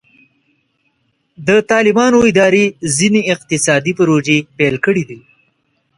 د طالبانو اداره ځینې اقتصادي پروژې پیل کړې دي.